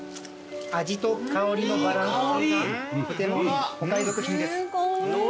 味と香りのバランスがとてもいいお買い得品です。